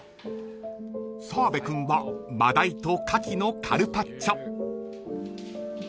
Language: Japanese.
［澤部君はマダイとカキのカルパッチョ］